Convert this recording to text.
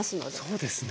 そうですね。